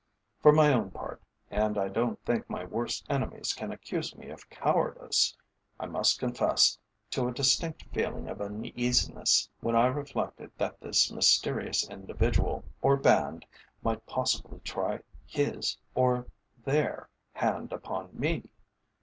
For my own part and I don't think my worst enemies can accuse me of cowardice I must confess to a distinct feeling of uneasiness when I reflected that this mysterious individual, or band, might possibly try his, or their, hand upon me.